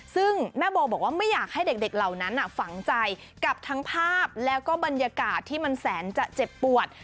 ซึ่งแม่โบบอกว่าไม่อยากให้เด็กเหล่านั้นฝังใจกับทั้งภาพแล้วก็บรรยากาศที่มันแสนจะเจ็บปวด